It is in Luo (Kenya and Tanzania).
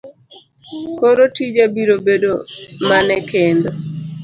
Koro tija biro bedo mane kendo?